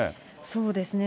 そうですね。